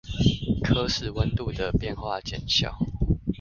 可使溫度的變化減小